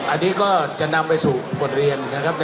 อันนี้ก็จะนำไปสู่บทเรียนนะครับ